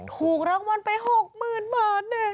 ถูกรางวัลไป๖๐๐๐๐บาทเนี่ย